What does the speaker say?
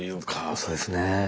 そうですねぇ。